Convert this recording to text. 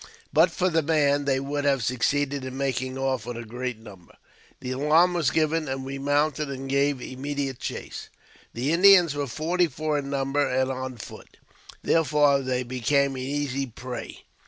But for the man, they would have succeeded in making off with a great number. The alarm was given, and we mounted and gave immediate chase. The Indians were forty four in number, and on foot ; therefore they became an easy prey.